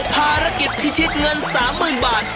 ภารกิจพิชิตเงิน๓๐๐๐บาท